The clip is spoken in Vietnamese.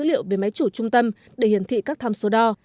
hệ thống sẽ gửi dữ liệu về máy chủ trung tâm để hiển thị các tham số đo